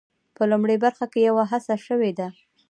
په لومړۍ برخه کې یوه هڅه شوې ده.